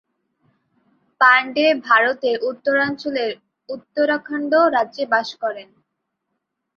পাণ্ডে ভারতের উত্তরাঞ্চলের উত্তরাখণ্ড রাজ্যে বাস করেন।